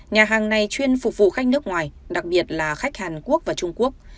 nhà hàng này chuyên phục vụ khách nước ngoài đặc biệt là khách hàn quốc và trung quốc